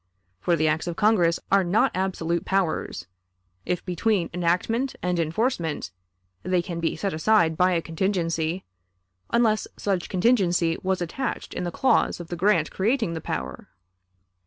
For the acts of Congress are not absolute powers, if between enactment and enforcement they can be set aside by a contingency, unless such contingency was attached in the clause of the grant creating the power.